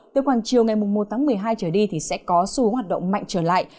từ khoảng chiều ngày một tháng một mươi hai trở đi thì sẽ có xu hướng hoạt động mạnh trở lại